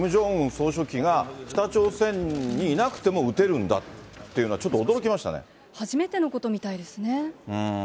総書記が北朝鮮にいなくても撃てるんだっていう初めてのことみたいですね。